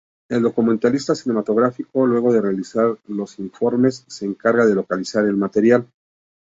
El documentalista cinematográfico luego de realizar los informes se encarga de localizar el material.